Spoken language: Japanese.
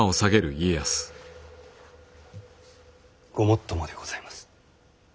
ごもっともでございます。